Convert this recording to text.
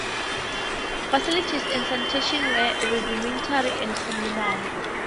Facilities and sanitation were rudimentary and communal.